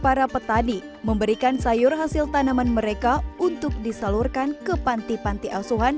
para petani memberikan sayur hasil tanaman mereka untuk disalurkan ke panti panti asuhan